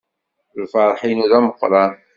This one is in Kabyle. Lferḥ-inu d ameqqran.